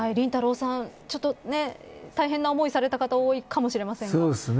さん大変な思いをされた方多いかもしれません。